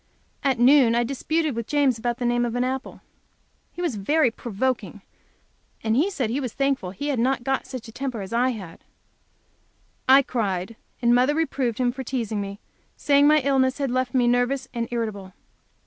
At noon I disputed with James about the name of an apple. He was very provoking, and said he was thankful he had not got such a temper as I had. I cried, and mother reproved him for teasing me, saying my illness had left me nervous and irritable.